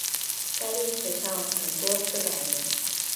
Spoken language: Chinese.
在历史上曾多次改名。